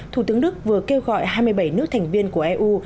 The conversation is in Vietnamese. thủ tướng đức vừa kêu gọi hai mươi bảy nước thành viên của eu